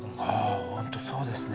あ本当そうですね。